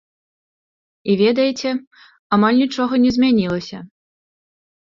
І ведаеце, амаль нічога не змянілася.